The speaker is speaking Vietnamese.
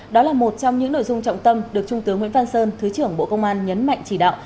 đó là một trong những nội dung trọng tâm được trung tướng nguyễn văn sơn thứ trưởng bộ công an nhấn mạnh chỉ đạo